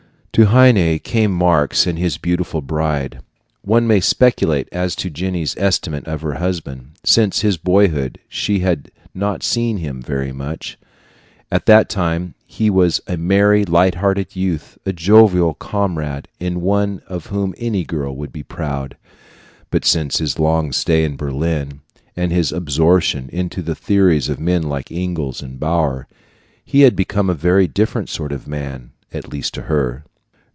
To Heine came Marx and his beautiful bride. One may speculate as to Jenny's estimate of her husband. Since his boyhood, she had not seen him very much. At that time he was a merry, light hearted youth, a jovial comrade, and one of whom any girl would be proud. But since his long stay in Berlin, and his absorption in the theories of men like Engels and Bauer, he had become a very different sort of man, at least to her.